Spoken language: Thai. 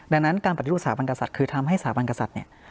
ดังนั้นการปฏิรูปสถาบันกษัตริย์คือทำให้สถาบันกษัตริย์เนี่ย